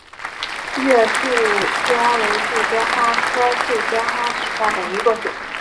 皋月杜鹃为杜鹃花科杜鹃花属下的一个种。